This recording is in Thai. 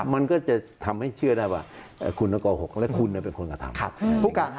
มันก็จะทำให้เชื่อได้ว่าคุณต้องโกหกและคุณเป็นคนกระทำ